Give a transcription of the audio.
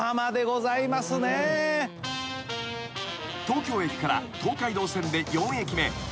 ［東京駅から東海道線で４駅目］